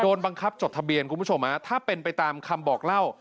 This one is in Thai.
บังคับจดทะเบียนคุณผู้ชมฮะถ้าเป็นไปตามคำบอกเล่า